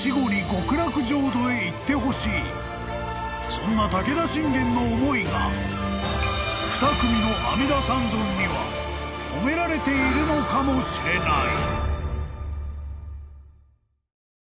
［そんな武田信玄の思いが２組の阿弥陀三尊には込められているのかもしれない］